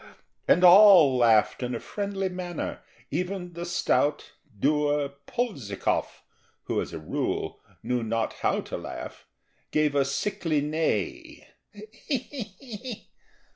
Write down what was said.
And all laughed in a friendly manner, even the stout dour Polzikov, who as a rule knew not how to laugh, gave a sickly neigh: "Hee, hee! hee!"